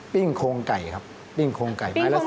ปิ้งโครงไก่ครับปิ้งโครงไก่ไม้ละ๓๐